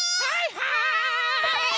はい！